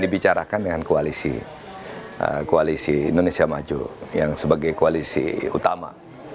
dibicarakan dengan koalisi koalisi indonesia maju yang sebagai koalisi utama